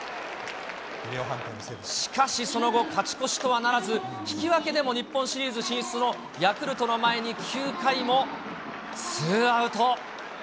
しかし、その後、勝ち越しとはならず、引き分けでも日本シリーズ進出のヤクルトの前に９回もツーアウト。